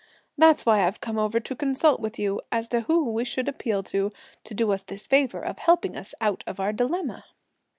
That's why I've come over to consult with you, as to whom we should appeal to, to do us this favour of helping us out of our dilemma!"